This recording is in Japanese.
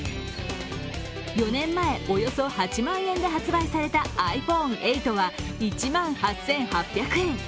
４年前、およそ８万円で発売されたｉＰｈｏｎｅ８は１万８８００円。